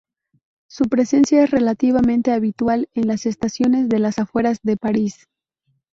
Su presencia es relativamente habitual en las estaciones de las afueras de París.